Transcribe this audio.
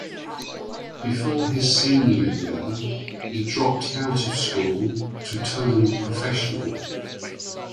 Before his senior year, he dropped out of school to turn professional.